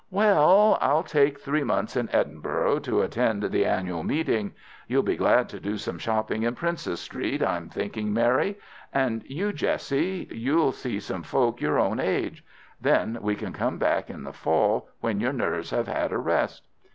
"Well, I'll take three months in Edinburgh to attend the annual meeting. You'll be glad to do some shopping in Princes Street, I'm thinking, Mary. And you, Jessie, you'll see some folk your own age. Then we can come back in the fall, when your nerves have had a rest."